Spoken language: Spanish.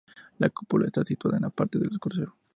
La cúpula está situada en la parte del crucero.